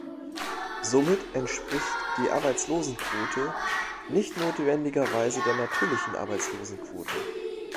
Somit entspricht die Arbeitslosenquote nicht notwendigerweise der natürlichen Arbeitslosenquote.